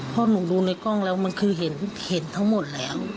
พอหนูดูในกล้องแล้วมันคือเห็นทั้งหมดแล้ว